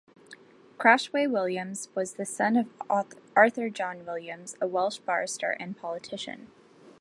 Crawshay-Williams was the son of Arthur John Williams, a Welsh barrister and politician.